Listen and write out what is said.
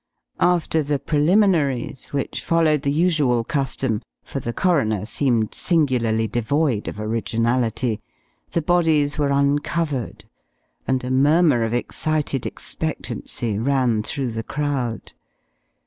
After the preliminaries, which followed the usual custom (for the coroner seemed singularly devoid of originality) the bodies were uncovered, and a murmur of excited expectancy ran through the crowd.